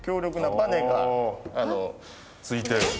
バネがついてる。